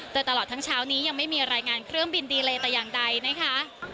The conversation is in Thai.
โดยตลอดทั้งเช้านี้ยังไม่มีรายงานเครื่องบินดีเลยแต่อย่างใดนะคะ